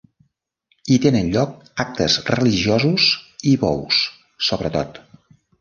Hi tenen lloc actes religiosos i bous, sobretot.